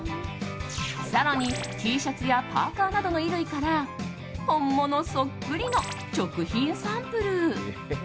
更にＴシャツやパーカなどの衣類から本物そっくりの食品サンプル。